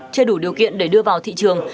chưa đủ điều kiện để đưa vào thị trường